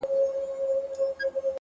• ګواکي ټول دي د مرګي خولې ته سپارلي,